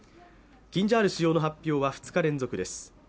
キンジャール使用の発表は２日連続です。